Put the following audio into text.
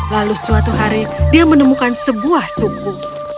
lalu suatu hari dia menemukan sebuah suku